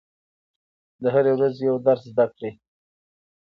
د هرې ورځې یو درس زده کړئ.